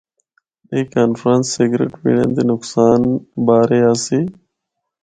اے conference cigarette پینڑا دے نقصان بارے آسی۔